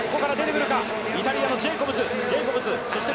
イタリアのジェイコブズ。